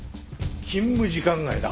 勤務時間外だ。